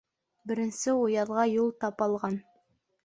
Беренсе уяҙға юл тапалған.